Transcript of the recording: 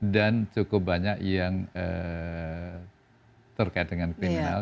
dan cukup banyak yang terkait dengan kriminal